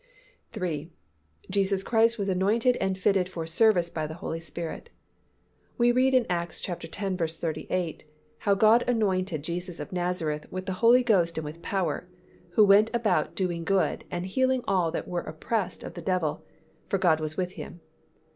3. Jesus Christ was anointed and fitted for service by the Holy Spirit. We read in Acts x. 38, "How God anointed Jesus of Nazareth with the Holy Ghost and with power: who went about doing good, and healing all that were oppressed of the devil; for God was with Him."